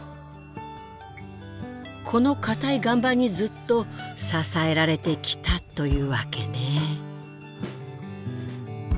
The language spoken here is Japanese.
この硬い岩盤にずっと支えられてきたというわけね。